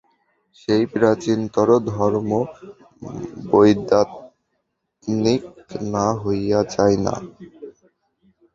সেই প্রাচীনতর ধর্ম বৈদান্তিক না হইয়া যায় না।